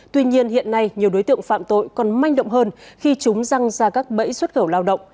tuy nhiên hiện nay nhiều đối tượng phạm tội còn manh động hơn khi chúng răng ra các bẫy xuất khẩu lao động